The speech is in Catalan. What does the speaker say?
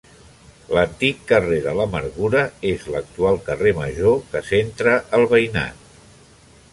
L'antic carrer de l'Amargura és l'actual Carrer Major, que centra el veïnat.